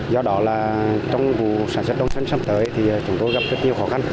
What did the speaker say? do đó trong vụ sản xuất nông nghiệp sắp tới chúng tôi gặp rất nhiều khó khăn